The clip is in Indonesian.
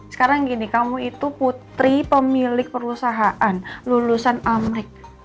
sekarang gini kamu itu putri pemilik perusahaan lulusan amrik